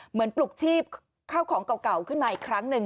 เหมือนปลุกที่เข้าของเก่าขึ้นมาอีกครั้งนึง